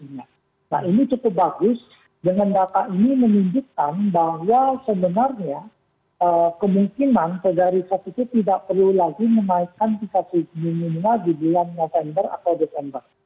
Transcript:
nah ini cukup bagus dengan data ini menunjukkan bahwa sebenarnya kemungkinan federa riset itu tidak perlu lagi menaikkan sifat minimnya di bulan november atau desember